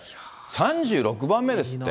３６番目ですって。